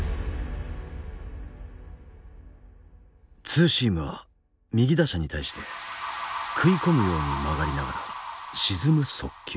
ツーシームは右打者に対して食い込むように曲がりながら沈む速球。